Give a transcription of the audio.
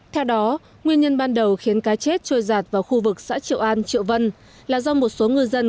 theo đó nguyên nhân ban đầu khiến cá chết trôi giạt vào khu vực xã triệu an triệu vân là do một số ngư dân